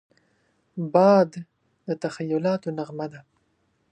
باد د تخیلاتو نغمه ده